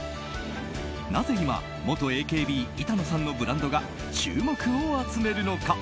なぜ今、元ＡＫＢ板野さんのブランドが注目を集めるのか。